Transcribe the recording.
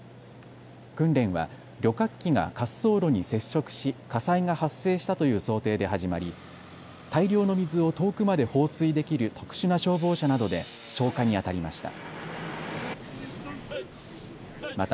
訓練は旅客機が滑走路に接触し火災が発生したという想定で始まり大量の水を遠くまで放水できる特殊な消防車などで消火にあたりました。